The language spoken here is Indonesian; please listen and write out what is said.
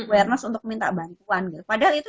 awareness untuk minta bantuan gitu padahal itu